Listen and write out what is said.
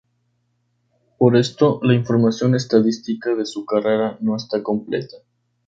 Por esto, la información estadística de su carrera no está completa.